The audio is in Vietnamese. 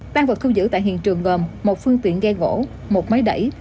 đang vật thư giữ tại hiện trường gồm một phương tiện ghe gỗ một máy đẩy